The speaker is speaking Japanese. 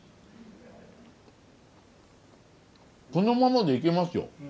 そのままでいけますよ。